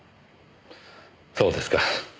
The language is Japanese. そうですか。